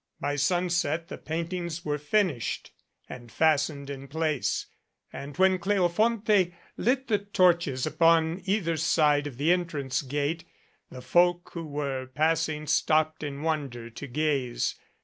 By sunset the paintings were finished and fastened in place, and when Cleofonte lit the torches upon either side of the entrance gate, the folk who were passing stopped in wonder to gaze.